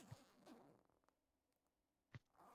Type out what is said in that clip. Xatni sekingina onasining yoniga solib qoʻydi.